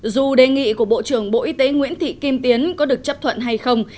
dù đề nghị của bộ trưởng bộ y tế nguyễn thị kim tiến có được chấp thuận hay không